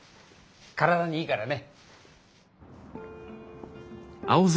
体にいいからね。